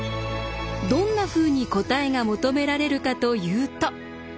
どんなふうに答えが求められるかというと。